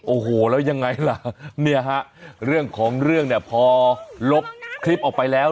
โอ้โหแล้วยังไงล่ะเนี่ยฮะเรื่องของเรื่องเนี่ยพอลบคลิปออกไปแล้ว